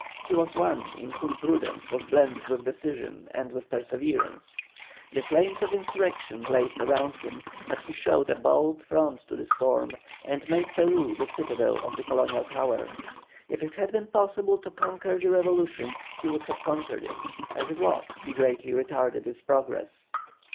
He was one in whom prudence was blended with decision and with perseverance. The flames of insurrection blazed around him, but he showed a bold front to the storm, and made Peru the citadel of the colonial power. If it had been possible to conquer the revolution he would have conquered it; as it was he greatly retarded its progress.